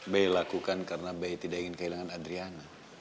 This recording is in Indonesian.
be lakukan karena be tidak ingin kehilangan adriana